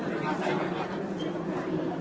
เอาไปทำให้เฉียง